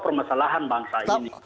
permasalahan bangsa ini